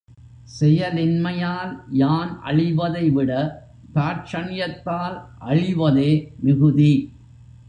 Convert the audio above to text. செயலின்மையால் யான் அழிவதைவிட தாட்சண்யத்தால் அழிவதே மிகுதி.